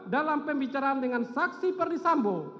dalam pembicaraan dengan saksi perdisambo